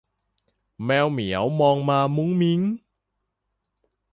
แมวเหมียวมองมามุ้งมิ้ง